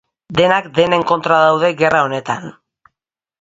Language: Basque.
Denak denen kontra daude gerra honetan.